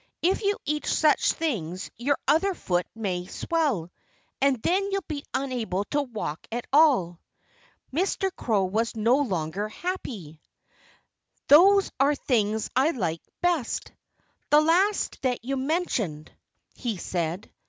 If you eat such things your other foot may swell. And then you'd be unable to walk at all." Mr. Crow was no longer happy. "Those are the things I like best the last that you mentioned," he said.